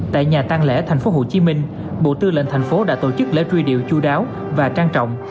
tại nhà tăng lễ tp hcm bộ tư lệnh thành phố đã tổ chức lễ truy điệu chú đáo và trang trọng